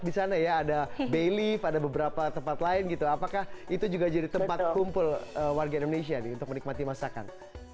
di sana ya ada bay lift ada beberapa tempat lain gitu apakah itu juga jadi tempat kumpul warga indonesia untuk menikmati masakan